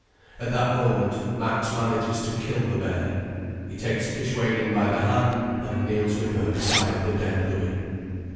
At that moment Max manages to kill the bear—he takes Kishwégin by the hand and kneels with her beside the dead Louis.